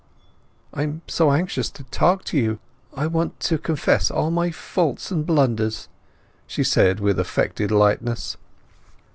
"I am so anxious to talk to you—I want to confess all my faults and blunders!" she said with attempted lightness.